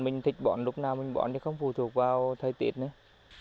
mình thích bón lúc nào mình bón thì không phù thuộc vào thời tiết nữa